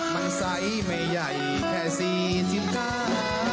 มันใส่ไม่ใหญ่แค่สี่สิบก้าน